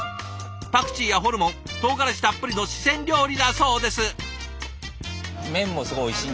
パクチーやホルモン唐辛子たっぷりの四川料理だそうです。